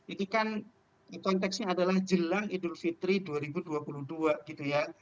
itu kan konteksnya adalah jelang idul fitri dua ribu dua puluh dua gitu ya